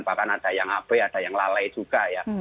bahkan ada yang abe ada yang lalai juga ya